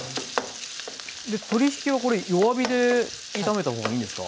鶏ひきはこれ弱火で炒めたほうがいいんですか？